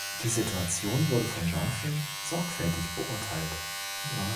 Die Situation wurde von Johnathan sorgfältig beurteilt.